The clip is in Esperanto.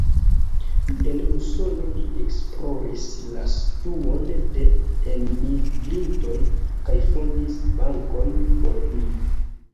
En Usono li esploris la situon de elmigrintoj kaj fondis bankon por ili.